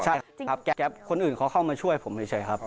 ใช่ครับแก๊ปคนอื่นเขาเข้ามาช่วยผมเฉยครับ